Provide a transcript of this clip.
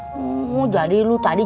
oh jadi lu tadi cium tangan mak